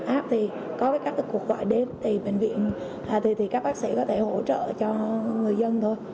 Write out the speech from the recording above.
app thì có các cuộc gọi đến từ bệnh viện thì các bác sĩ có thể hỗ trợ cho người dân thôi